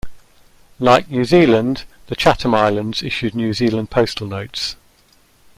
Like New Zealand, the Chatham Islands issued New Zealand postal notes.